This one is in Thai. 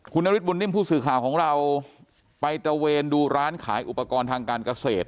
คุณนฤทธบุญนิ่มผู้สื่อข่าวของเราไปตระเวนดูร้านขายอุปกรณ์ทางการเกษตร